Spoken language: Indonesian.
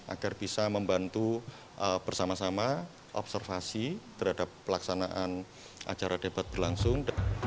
agar bisa membantu bersama sama observasi terhadap pelaksanaan acara debat berlangsung